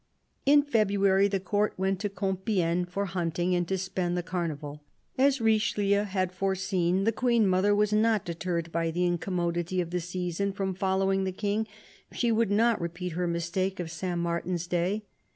In February the Court went to Compifegne for hunting, and to spend the Carnival. As Richelieu had foreseen, the Queen mother was not deterred by " the incommodity of the season " from following the King : she would not repeat her mistake of St. Martin's Day.